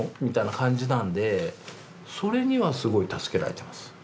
みたいな感じなんでそれにはすごい助けられてます。